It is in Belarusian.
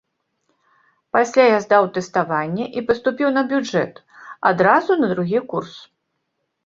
Пасля я здаў тэставанне і паступіў на бюджэт, адразу на другі курс.